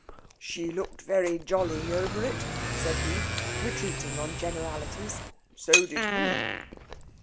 "She looked very jolly over it," said he, retreating on generalities. "So did he."